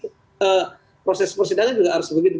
proses persidangan juga harus begitu